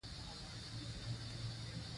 هغه بیرته اندلس ته راځي.